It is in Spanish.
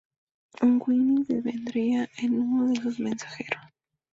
Wynne devendría en uno de sus mensajeros.